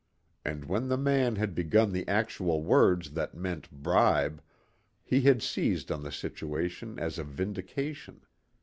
And when the man had begun the actual words that meant bribe, he had seized on the situation as a vindication.